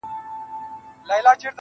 o د اله زار خبري ډېري ښې دي.